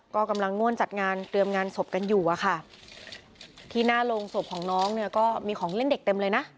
ก็กำลังง่วนจัดงานเตรียมงานศพกันอยู่อะค่ะที่หน้าโรงศพของน้องเนี่ยก็มีของเล่นเด็กเต็มเลยนะ